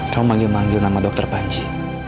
kamu manggil manggil nama dokter panci